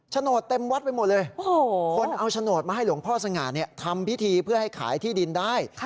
โดดเต็มวัดไปหมดเลยคนเอาโฉนดมาให้หลวงพ่อสง่าทำพิธีเพื่อให้ขายที่ดินได้